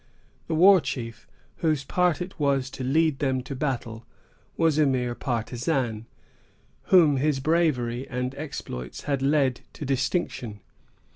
The war chief, whose part it was to lead them to battle, was a mere partisan, whom his bravery and exploits had led to distinction.